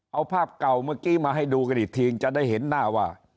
เอาภาพเก่าเมื่อกี้มาให้ดูกันอีกทีจะได้เห็นหน้าว่า